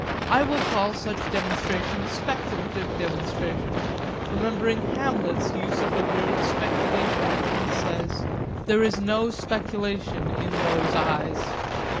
I will call such demonstration 'speculative' demonstration, remembering Hamlet's use of the word 'speculation' when he says, There is no speculation in those eyes.